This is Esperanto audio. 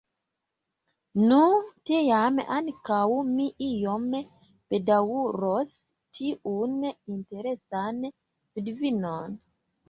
Nu, tiam ankaŭ mi iom bedaŭros tiun interesan vidvinon.